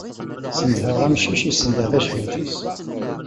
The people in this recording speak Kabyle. Snedheɣ amcic, issendeh tajeḥniḍt-is.